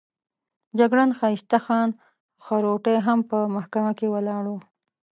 جګړن ښایسته خان خروټی هم په محکمه کې ولاړ وو.